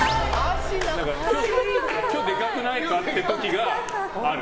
でかくないか？っていう時がある。